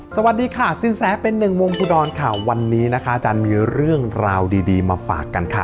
สวัสดีค่ะสินแสเป็นหนึ่งวงอุดรค่ะวันนี้นะคะอาจารย์มีเรื่องราวดีมาฝากกันค่ะ